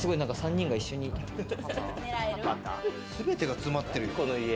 全てが詰まってるよ。